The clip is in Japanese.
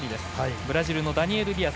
ブラジルのダニエル・ディアス。